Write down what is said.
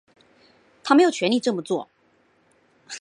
他没有权力这么做